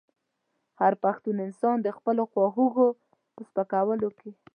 چې پښتون انسان د خپلو خواخوږو په سپکولو کې.